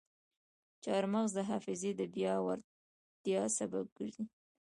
چارمغز د حافظې د پیاوړتیا سبب ګرځي.